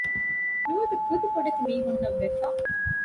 ނުވަތަ ކުދި ބޮޑެތި މީހުންނަށް ވެފަ